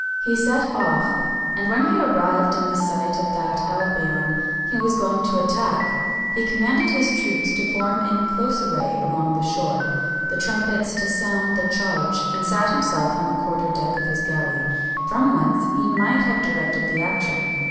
He set off, and when he arrived in sight of that Albion he was going to attack, he commanded his troops to form in close array along the shore, the trumpets to sound the charge, and sat himself on the quarter deck of his galley, from whence he might have directed the action.